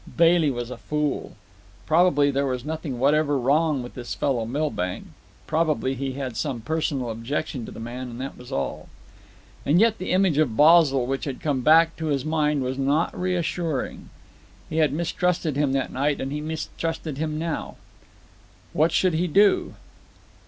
Bailey was a fool. Probably there was nothing whatever wrong with this fellow Milbank. Probably he had some personal objection to the man, and that was all. And yet the image of Basil which had come back to his mind was not reassuring. He had mistrusted him that night, and he mistrusted him now. What should he do?